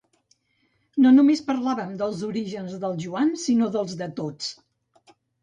No només parlàvem dels orígens del Joan sinó dels de tots.